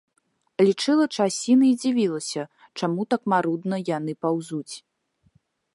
Лічыла часіны і дзівілася, чаму так марудна яны паўзуць.